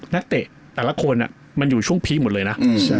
เตะแต่ละคนมันอยู่ช่วงพีคหมดเลยนะ